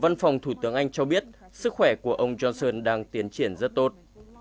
văn phòng thủ tướng anh cho biết sức khỏe của ông johnson đang tiến triển rất tốt